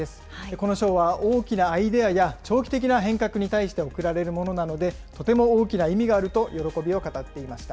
この賞は大きなアイデアや長期的な変革に対して贈られるものなので、とても大きな意味があると喜びを語っていました。